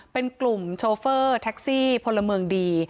เป็นกลุ่มโชเฟอร์แท็กซี่พลเมืองดี